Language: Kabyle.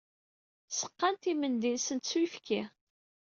Seqqant imendi-nsent s uyefki.